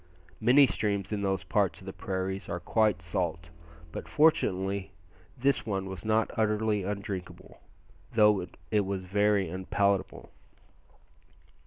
Many streams in those parts of the prairies are quite salt, but fortunately this one was not utterly undrinkable, though it was very unpalatable.